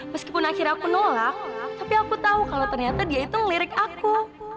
meskipun akhirnya aku nolak tapi aku tau kalo ternyata dia itu ngelirik aku